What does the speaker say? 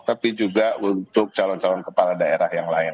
tapi juga untuk calon calon kepala daerah yang lain